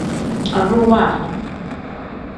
Aduwa.